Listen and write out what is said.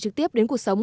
trực tiếp đến cuộc sống